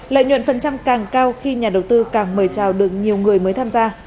lợi nhuận phần trăm càng cao khi nhà đầu tư càng mời chào được nhiều người mới tham gia